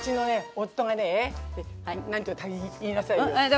夫がね言いなさいよ。